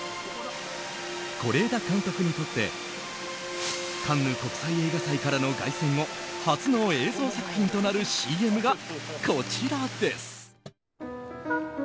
是枝監督にとってカンヌ国際映画祭からの凱旋後初の映像作品となるＣＭがこちらです。